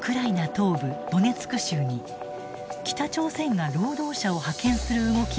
東部ドネツク州に北朝鮮が労働者を派遣する動きも取り沙汰されている。